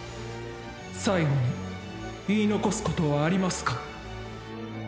最期に言い残すことはありますか。